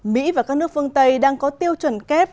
mỹ và các nước phương tây đang có tiêu chuẩn kép